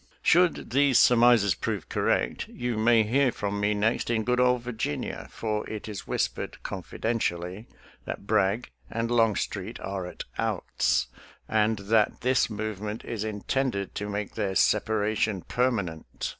Should these surmises prove correct, you, may hear from me next in good old Virginia, for it is whispered confidentially that Bragg and Long street are at outs, and that this movement is intended to make their separation permanent.